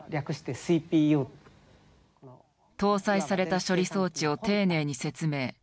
搭載された処理装置を丁寧に説明。